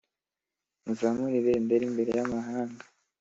muzamure ibendera imbere y’amahanga.